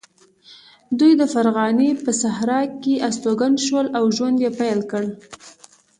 دوی د فرغانې په صحرا کې استوګن شول او ژوند یې پیل کړ.